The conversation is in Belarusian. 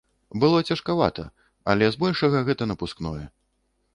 Было цяжкавата, але збольшага гэта напускное.